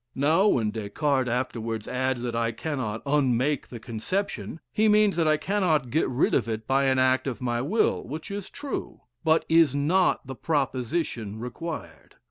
Now, when Des Cartes afterwards adds that I cannot unmake the conception, he means that I cannot get rid of it by an act of my will, which is true; but is not the proposition required.